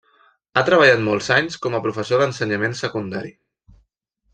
Ha treballat molts anys com a professor d'ensenyament secundari.